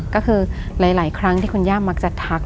ก็คือหลายครั้งที่คุณย่ามักจะทัก